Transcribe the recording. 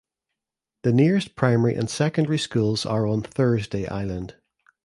The nearest primary and secondary schools are on Thursday Island.